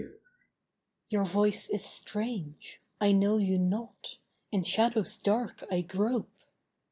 MORTAL: 'Your voice is strange; I know you not; in shadows dark I grope.